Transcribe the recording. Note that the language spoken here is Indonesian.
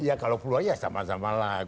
ya kalau peluangnya sama samalah